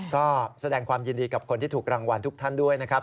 ก็แสดงความยินดีกับคนที่ถูกรางวัลทุกท่านด้วยนะครับ